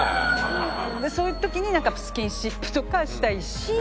そういう時になんかスキンシップとかしたいし。